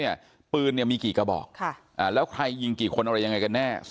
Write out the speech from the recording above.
อายุ๑๐ปีนะฮะเขาบอกว่าเขาก็เห็นถูกยิงนะครับ